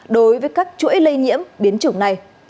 đối với các chuỗi lây nhiễm biến chủng này